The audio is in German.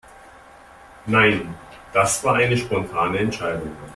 Nein, das war eine spontane Entscheidung.